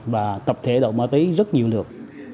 và tập thể đậu má tí rất nhiều lượt